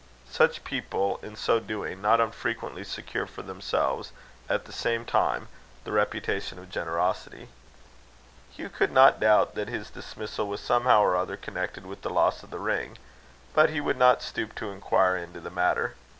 Such people, in so doing, not unfrequently secure for themselves, at the same time, the reputation of generosity. Hugh could not doubt that his dismissal was somehow or other connected with the loss of the ring; but he would not stoop to inquire into the matter.